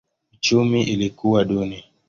Uchumi ilikuwa duni.